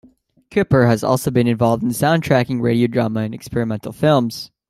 Kuepper has also been involved in sound tracking radio drama and experimental films.